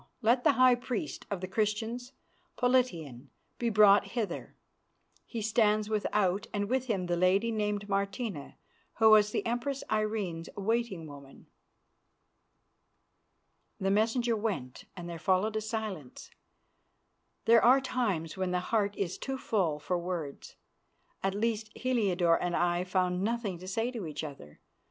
Let the high priest of the Christians, Politian, be brought hither. He stands without, and with him the lady named Martina, who was the Empress Irene's waiting woman." The messengers went and there followed a silence. There are times when the heart is too full for words; at least, Heliodore and I found nothing to say to each other.